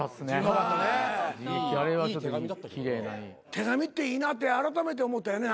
手紙っていいなってあらためて思ったよね